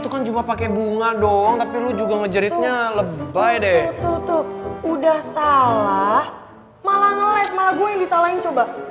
tuh tuh udah salah malah ngeles malah gue yang disalahin coba